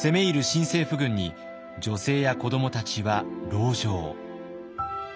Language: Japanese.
新政府軍に女性や子どもたちは籠城。